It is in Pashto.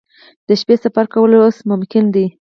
د شپې سفر کول اوس ممکن دي